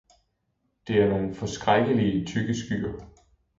det er nogle forskrækkelige tykke skyer!